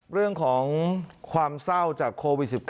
เรื่องของความเศร้าจากโควิด๑๙